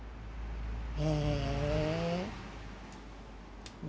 へえ。